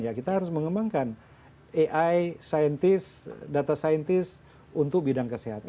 ya kita harus mengembangkan ai scientist data scientist untuk bidang kesehatan